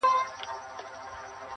مور له زامنو څخه پټیږي-